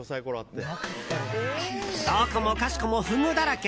どこもかしこもフグだらけ！